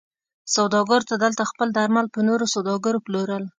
سوداګرو دلته خپل درمل پر نورو سوداګرو پلورل.